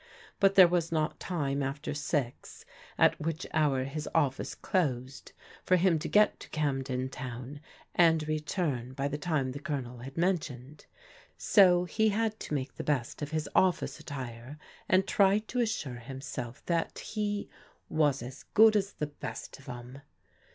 But there was not time after six, at which hour his office closed, for him to get to Camden Town and return by the time the Colonel had mentioned. So he had to make the best of his office attire, and tried to assure himself that he " was as good as the best of em.